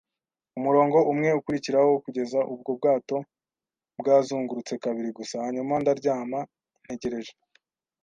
umurongo umwe ukurikiraho, kugeza ubwo ubwato bwazungurutse kabiri gusa. Hanyuma ndaryama, ntegereje